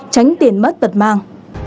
tránh tiền mất tật mang